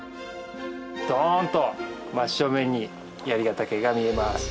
ドンと真っ正面に槍ヶ岳が見えます。